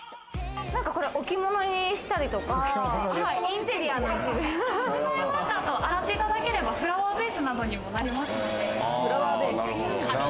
これ置き物にしたりとか、使い終わったあと、洗っていただければ、フラワーベースなどにもなりますので。